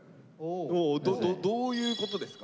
おどういうことですか？